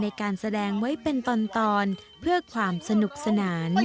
ในการแสดงไว้เป็นตอนเพื่อความสนุกสนาน